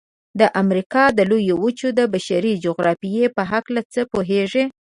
د امریکا د لویې وچې د بشري جغرافیې په هلکه څه پوهیږئ؟